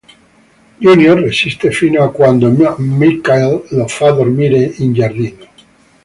Junior resiste fino a quando Michael lo fa dormire in giardino.